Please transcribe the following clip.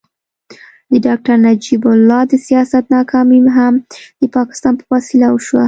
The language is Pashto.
د ډاکټر نجیب الله د سیاست ناکامي هم د پاکستان په وسیله وشوه.